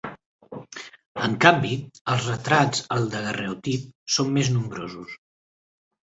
En canvi, els retrats al daguerreotip són més nombrosos.